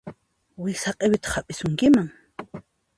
Wiksa q'iwiytaq hap'isunkiman.